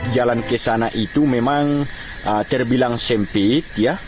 jalan ke sana itu memang terbilang sempit